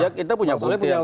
kita punya bukti